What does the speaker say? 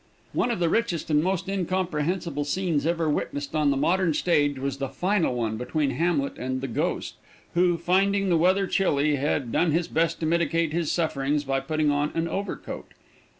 One of the richest and most incomprehensible scenes ever witnessed on the modern stage was the final one between Hamlet and the Ghost, who, finding the weather chilly, had done his best to mitigate his sufferings by putting on an overcoat.